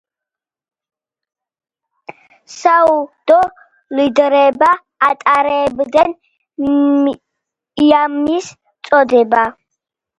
საუდი ლიდერები ატარებდნენ იმამის წოდებას.